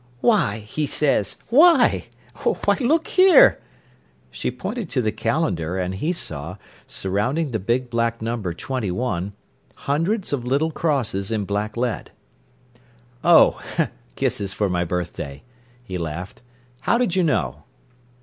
"'Why,' he says! 'Why!' Why, look here!" She pointed to the calendar, and he saw, surrounding the big black number "21", hundreds of little crosses in black lead. "Oh, kisses for my birthday," he laughed. "How did you know?"